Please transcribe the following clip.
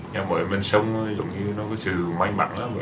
nhà mới bên sông nó có sự may mắn